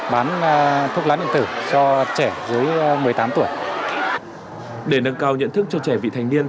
bán thuốc lá điện tử cho trẻ dưới một mươi tám tuổi để nâng cao nhận thức cho trẻ vị thành niên